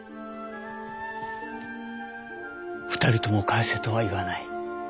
２人とも返せとは言わない。